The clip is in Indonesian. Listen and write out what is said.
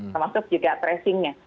termasuk juga tracingnya